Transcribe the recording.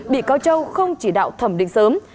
bị cáo châu không chỉ đạo thẩm định sớm